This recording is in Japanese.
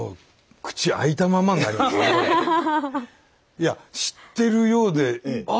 いや知ってるようであ！